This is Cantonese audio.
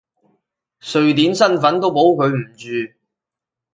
瑞典身份都保佢唔住！